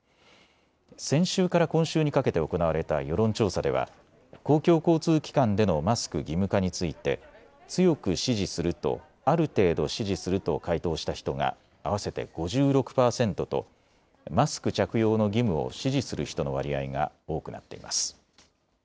先週から今週にかけて行われた世論調査では公共交通機関でのマスク義務化について強く支持すると、ある程度支持すると回答した人が合わせて５６％とマスク着用の義務を支持する人の割合が多くなっています。